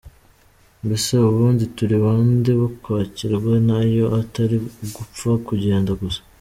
Mbese ubundi turi bande bo kwakirwa nayo atari ugupfa kugenda gusa?.